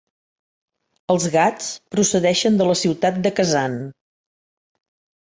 Els gats procedeixen de la ciutat de Kazan.